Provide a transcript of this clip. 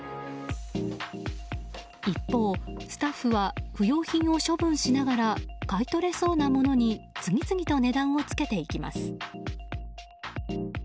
一方、スタッフは不用品を処分しながら買い取れそうなものに次々と値段をつけていきます。